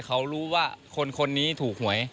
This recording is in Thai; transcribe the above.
เขารู้ว่าคนนี้ถูกหวย